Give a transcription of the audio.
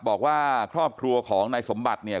บอกว่าครอบครัวของนายสมบัติเนี่ย